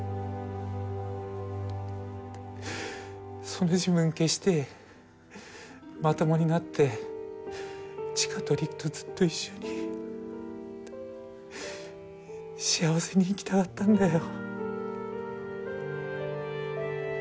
その自分消してまともになって千佳と璃久とずっと一緒に幸せに生きたかったんだよ。